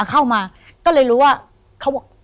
มาเข้ามาก็เลยรู้ว่า